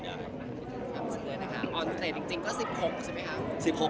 ครับสเตอร์นะคะออนเตรดจริงก็๑๖ใช่ไหมครับ